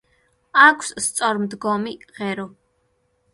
აქვს სწორმდგომი ღერო.